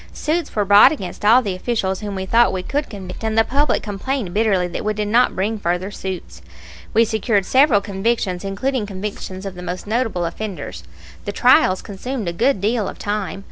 Suits were brought against all the officials whom we thought we could convict; and the public complained bitterly that we did not bring further suits. We secured several convictions, including convictions of the most notable offenders. The trials consumed a good deal of time.